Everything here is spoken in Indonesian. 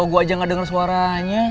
gue aja gak denger suaranya